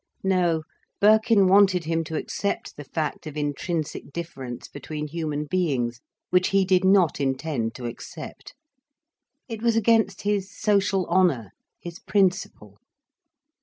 No, Birkin wanted him to accept the fact of intrinsic difference between human beings, which he did not intend to accept. It was against his social honour, his principle.